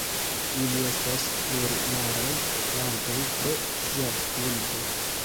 Ili estas plurjaraj plantoj pro sia bulbo.